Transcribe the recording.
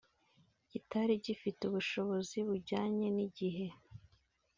kitari gifite ubushobozi bujyanye n’igihe